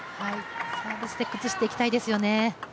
サービスで崩していきたいですよね。